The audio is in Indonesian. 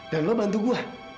dan lo bantu gue